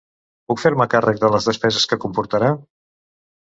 Puc fer-me càrrec de les despeses que comportarà?